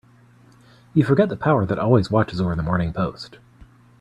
You forget the power that always watches over the Morning Post.